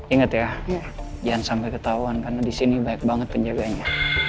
ingat ya jangan sampai ketauan karena disini banyak banget penjaganya